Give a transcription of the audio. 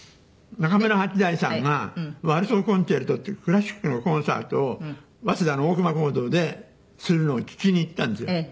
中村八大さんが『ワルソー・コンチェルト』っていうクラシックのコンサートを早稲田の大隈講堂でするのを聴きに行ったんですよ。